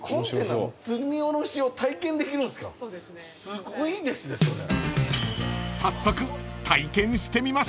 すごいですねそれ。